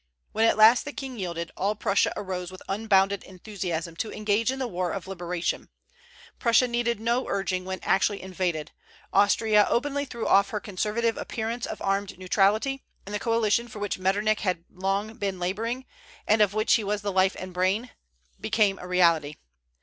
When at last the king yielded, all Prussia arose with unbounded enthusiasm to engage in the war of liberation; Prussia needed no urging when actually invaded; Austria openly threw off her conservative appearance of armed neutrality: and the coalition for which Metternich had long been laboring, and of which he was the life and brain, became a reality.